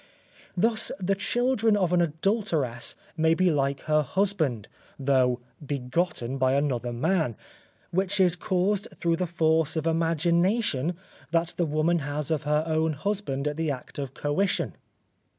Thus the children of an adulteress may be like her husband, though begotten by another man, which is caused through the force of imagination that the woman has of her own husband at the act of coition.